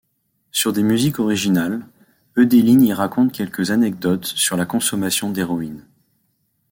Sur des musiques originales, Eudeline y raconte quelques anecdotes sur la consommation d'héroïne.